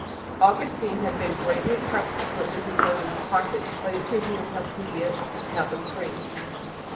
Augustine had been greatly attracted shortly before leaving Carthage by the preaching of Helpidius, a Catholic priest.